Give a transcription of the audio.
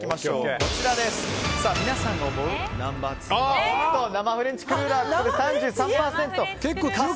皆さんが思うナンバー２は生フレンチクルーラーが３３％です。